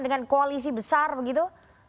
dengan koalisi besar begitu